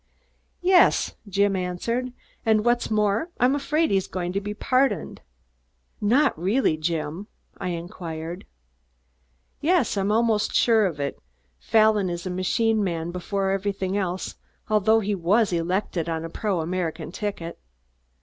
"Yes!" Jim answered. "And what's more, I'm afraid he's going to be pardoned." "Not really, Jim?" I queried. "Yes! I'm almost sure of it. Fallon is a machine man before everything else, although he was elected on a pro American ticket.